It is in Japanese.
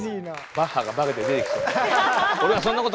バッハが化けて出てきそうな。